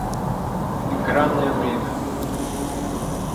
Экранное время